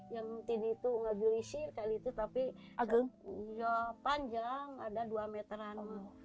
yang tidur itu nggak juri juri kali itu tapi panjang ada dua meteran